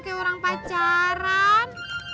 kayak orang pacaran